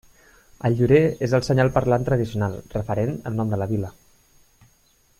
El llorer és el senyal parlant tradicional, referent al nom de la vila.